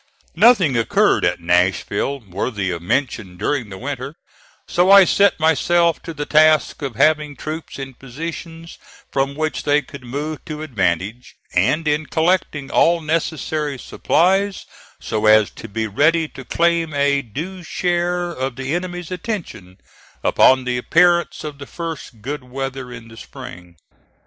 Nothing occurred at Nashville worthy of mention during the winter, (*20) so I set myself to the task of having troops in positions from which they could move to advantage, and in collecting all necessary supplies so as to be ready to claim a due share of the enemy's attention upon the appearance of the first good weather in the spring.